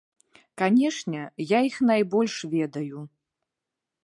Канешне, я іх найбольш ведаю.